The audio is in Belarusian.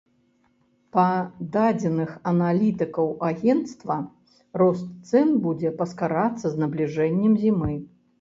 Па дадзеных аналітыкаў агенцтва, рост цэн будзе паскарацца з набліжэннем зімы.